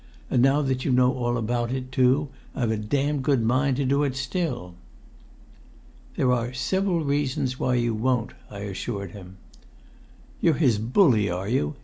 And now that you know all about it, too, I've a damned good mind to do it still!" "There are several reasons why you won't," I assured him. "You're his bully, are you?"